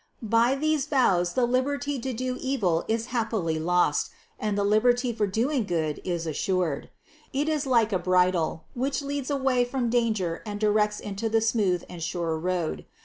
445. By these vows the liberty to do evil is happily lost, and the liberty for doing good is assured. It is like 348 THE CONCEPTION 349 a bridle, which leads away from danger and directs into the smooth and sure road.